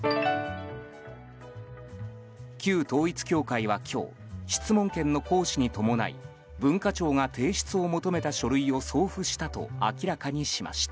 旧統一教会は今日質問権の行使に伴い文化庁が提出を求めた書類を送付したと明らかにしました。